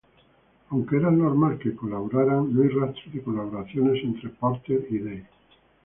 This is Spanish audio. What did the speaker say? Aunque era normal que colaboraran, no hay rastro de colaboraciones entre Porter y Day.